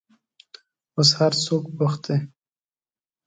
اوس هر څوک بوخت دي.